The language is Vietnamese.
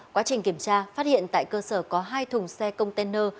quá trình kiểm tra phát hiện tại cơ sở có hai thùng xe container